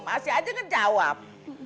masih aja ngejawab